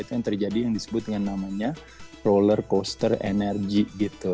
itu yang terjadi yang disebut dengan namanya roller coaster energy gitu